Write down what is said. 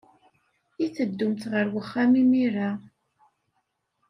I teddumt ɣer wexxam imir-a?